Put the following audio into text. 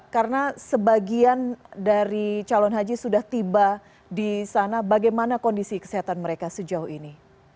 karena sebagian dari calon haji sudah tiba di sana bagaimana kondisi kesehatan mereka sejauh ini